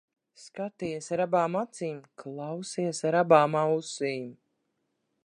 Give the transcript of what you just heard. Skaties ar abām acīm, klausies ar abām ausīm.